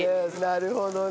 なるほどね。